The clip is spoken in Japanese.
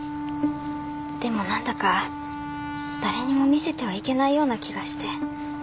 でも何だか誰にも見せてはいけないような気がして。